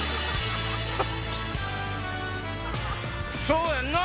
そうやんな！